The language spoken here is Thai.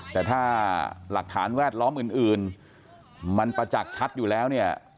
แต่ถ้าหลักฐานแวดล้อมอื่นมันประจักษ์ชัดอยู่แล้วเนี่ย